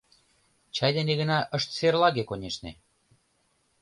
Чай дене гына ышт серлаге, конешне.